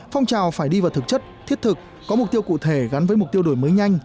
phong trào phải đi vào thực chất thiết thực có mục tiêu cụ thể gắn với mục tiêu đổi mới nhanh